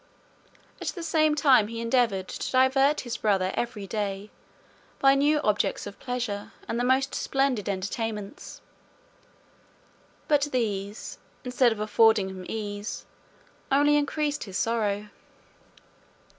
At the same time he endeavoured to divert his brother every day by new objects of pleasure, and the most splendid entertainments. But these, instead of affording him ease, only increased his sorrow.